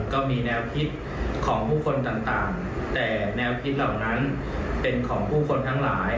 ก็มีแนวคิดของผู้คนต่างแต่แนวคิดเหล่านั้นเป็นของผู้คนทั้งหลาย